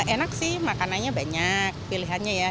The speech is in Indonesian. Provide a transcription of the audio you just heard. enak sih makanannya banyak pilihannya ya